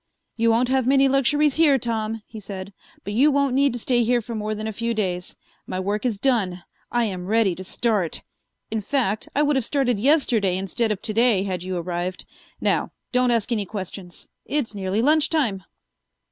"You won't have many luxuries here, Tom," he said, "but you won't need to stay here for more than a few days. My work is done: I am ready to start. In fact, I would have started yesterday instead of to day, had you arrived. Now don't ask any questions; it's nearly lunch time."